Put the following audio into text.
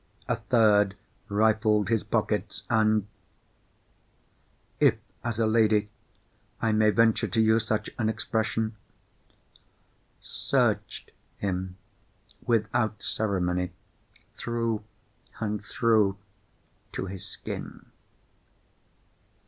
A third rifled his pockets, and—if, as a lady, I may venture to use such an expression—searched him, without ceremony, through and through to his skin.